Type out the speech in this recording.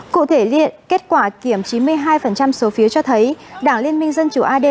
cụ thể liên kết quả kiểm chín mươi hai số phiếu cho thấy đảng liên minh dân chủ ad